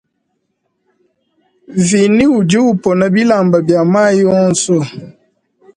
Vinie udi upona bilamba bia mayi onso.